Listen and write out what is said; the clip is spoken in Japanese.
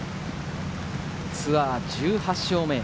ツアー１８勝目、ＡＮＡ